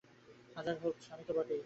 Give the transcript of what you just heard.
হাজার হউক, স্বামী তো বটে।